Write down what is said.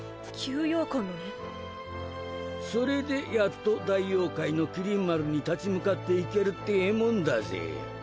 それでやっと大妖怪の麒麟丸に立ち向かっていけるってぇもんだぜ。